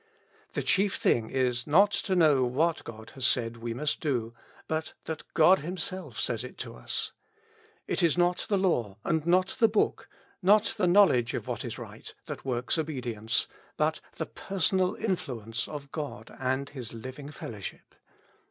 The chief thing is, not to know what God has said we must do, but that God Himself sdiys it to us. It is not the law, and not the book, not the knowledge of what is right, that works obedience, but the personal influence of God and His living fellowship.